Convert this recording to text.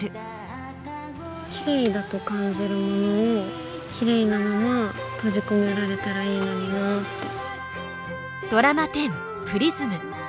きれいだと感じるものをきれいなまま閉じ込められたらいいのになぁって。